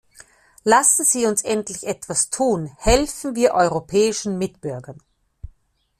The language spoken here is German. Lassen Sie uns endlich etwas tun, helfen wir europäischen Mitbürgern!